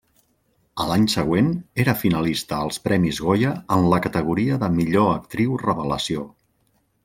A l'any següent era finalista als Premis Goya en la categoria de Millor Actriu Revelació.